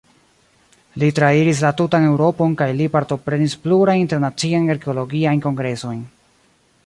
Li trairis la tutan Eŭropon kaj li partoprenis plurajn internaciajn arkeologiajn kongresojn.